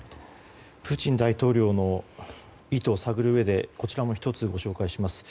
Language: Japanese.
プーチン大統領の意図を探るうえでこちらを１つ、ご紹介します。